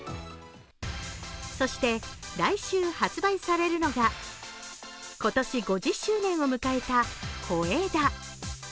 そして、来週発売されるのが、今年５０周年を迎えた小枝。